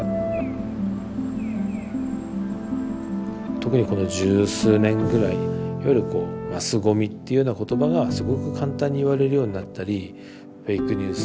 特にこの十数年ぐらいいわゆる「マスゴミ」っていうような言葉がすごく簡単に言われるようになったりフェイクニュース